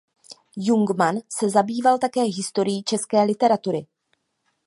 Jungmann se zabýval také historií české literatury.